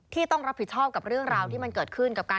ต้องรับผิดชอบเรื่องราวที่มันจึงเกิดขึ้น